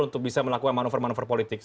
yang melakukan manuver manuver politik